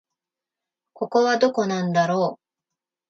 ここはどこなんだろう